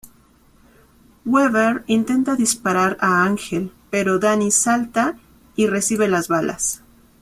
Weaver intenta disparar a Angel, pero Danny salta y recibe las balas.